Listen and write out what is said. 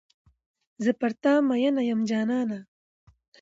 زه پر تا میین یمه جانانه.